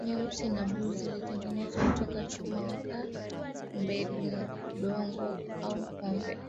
nyeusi na bluu zilitengenezwa kutoka chuma makaa mbegu udongo au pembe Shanga nyekundu zilitengenezwa